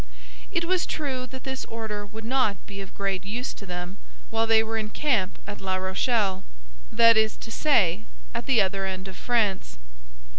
It was true that this order would not be of great use to them while they were in camp at La Rochelle; that is to say, at the other end of France.